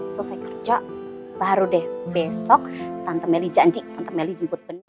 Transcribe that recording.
selesai kerja baru deh besok tante meri janji tante meri jemput bening